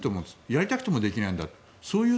やりたくてもできないという。